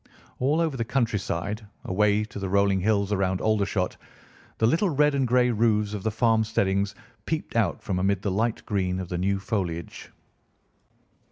All over the countryside, away to the rolling hills around Aldershot, the little red and grey roofs of the farm steadings peeped out from amid the light green of the new foliage.